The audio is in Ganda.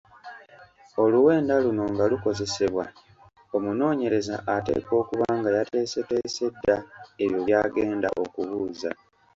Oluwenda luno nga lukozesebwa omunoonyereza ateekwa okuba nga yateeseteese dda ebyo by'agenda okubuuza.